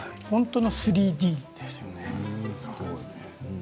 本当の３Ｄですよね。